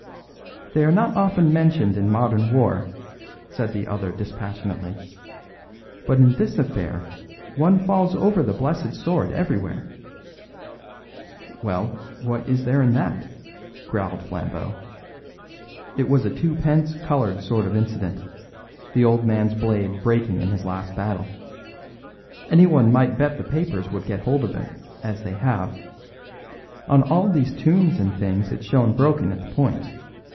"They are not often mentioned in modern war," said the other dispassionately; "but in this affair one falls over the blessed sword everywhere." "Well, what is there in that?" growled Flambeau; "it was a twopence coloured sort of incident; the old man's blade breaking in his last battle. Anyone might bet the papers would get hold of it, as they have. On all these tombs and things it's shown broken at the point.